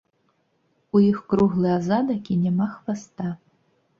У іх круглы азадак і няма хваста.